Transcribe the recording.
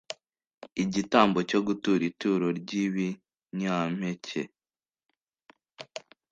Igitambo cyo gutura ituro ry ibinyampeke.